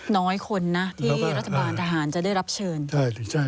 น้อยคนนะที่รัฐบาลทหารจะได้รับเชิญ